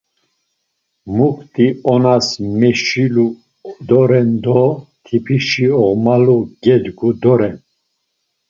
Mukti onas meşilu doren do tipişi oğmalu gedgu doren.